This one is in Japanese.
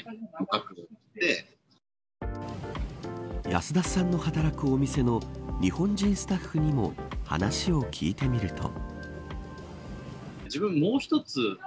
安田さんの働くお店の日本人スタッフにも話を聞いてみると。